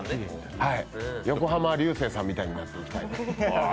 横浜流星さんみたいになっていきたい。